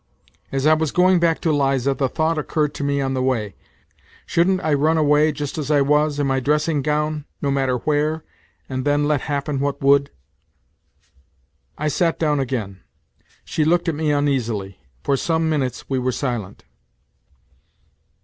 As I was going back to Liza, the thought occurred to me on the way : shouldn't I run away just as I was in my dressing gown, no matter where, and then let happen what would. I sat down again. She looked at me uneasily. For some minutes we were silent.